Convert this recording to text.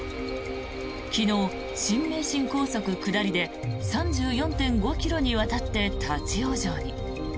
昨日、新名神高速下りで３４．５ｋｍにわたって立ち往生に。